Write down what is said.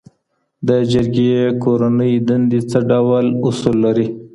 د جرګي کورنۍ دندي څه ډول اصول لري؟